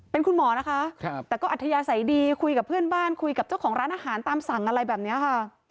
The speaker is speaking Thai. เป็นคุณหมอนะคะแต่ก็อัธยาศัยดีคุยกับเพื่อนบ้านคุยกับเจ้าของร้านอาหารตามสั่งอะไรแบบนี้ค่ะ